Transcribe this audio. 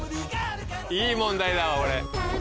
いい問題だわこれ。